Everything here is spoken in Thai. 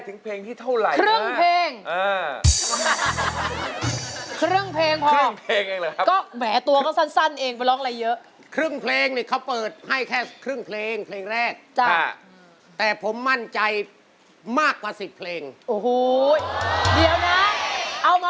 ซื้อแบบไม่โกน๕บาทนี่รูดทีนึงไปหมดแล้ว